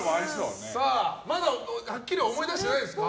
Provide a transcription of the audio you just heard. まだはっきりは思い出してないですか？